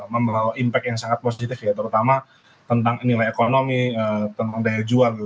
membawa impact yang sangat positif ya terutama tentang nilai ekonomi tentang daya jual